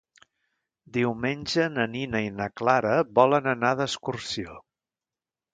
Diumenge na Nina i na Clara volen anar d'excursió.